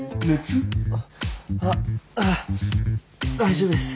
あっううっ大丈夫です。